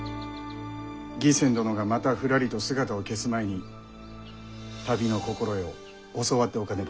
義仙殿がまたふらりと姿を消す前に旅の心得を教わっておかねばならぬ。